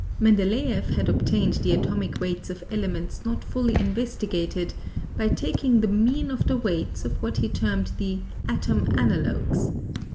MendeleefT had obtained the atomic weights of elements not fully investigated by taking the mean of the weights of what he termed the "atom analogues."